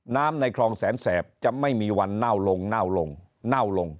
ในคลองแสนแสบจะไม่มีวันเน่าลงเน่าลงเน่าลง